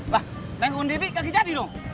wah nengokin deddy nggak jadi dong